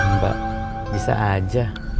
mbak bisa aja